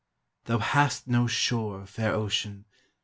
" Thou hast no shore, fair ocean!